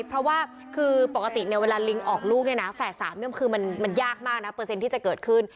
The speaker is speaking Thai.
เพราะว่าคือปกติเนี่ยเวลาลิงออกลูกเนี่ยนะแฝด๓คือมันยากมากนะเปอร์เซ็นต์ที่จะเกิดขึ้น